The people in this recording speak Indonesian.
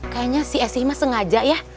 kayanya si esi emas sengaja ya